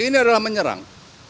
ini adalah menyerang